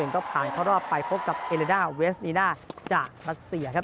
ก็ผ่านเข้ารอบไปพบกับเอเลด้าเวสนีน่าจากรัสเซียครับ